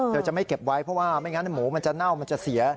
จะไม่เก็บไว้เพราะว่าไม่งั้นหมูมันจะเน่ามันจะเสีย